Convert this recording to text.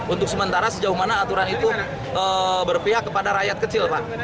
untuk sementara sejauh mana aturan itu berpihak kepada rakyat kecil pak